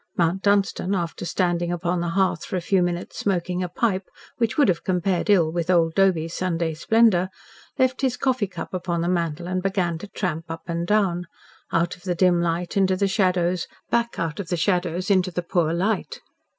Mount Dunstan, after standing upon the hearth for a few minutes smoking a pipe, which would have compared ill with old Doby's Sunday splendour, left his coffee cup upon the mantel and began to tramp up and down out of the dim light into the shadows, back out of the shadows into the poor light.